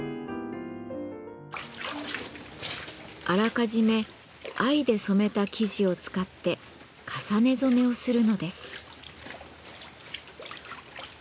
あらかじめ藍で染めた生地を使って重ね染めをするのです。